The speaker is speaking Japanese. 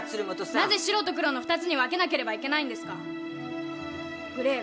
なぜ白と黒の２つに分けなきゃいけないんですか。